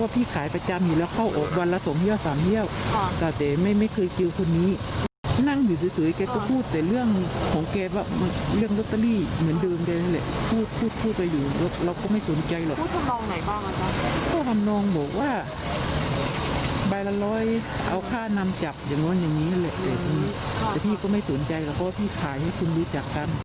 ไปละร้อยเอาค่านำจับอย่างน้อยอย่างนี้นั่นแหละแต่ทีก็ไม่สนใจกับพี่ขายให้คุณรู้จักกัน